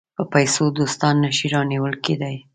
په پیسو دوستان نه شي رانیول کېدای.